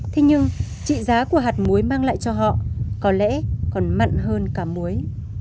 thế nhưng trị giá của hạt muối mang lại cho họ có lẽ còn mặn hơn cả muối